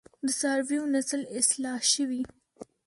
د څارویو نسل اصلاح شوی؟